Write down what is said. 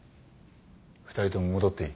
２人とも戻っていい。